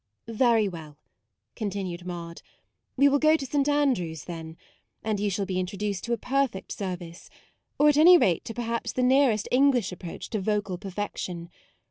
"Very well," continued Maude; " we will go to St. Andrew's then, 48 MAUDE and you shall be introduced to a per fect service; or at any rate to per haps the nearest English approach to vocal perfection.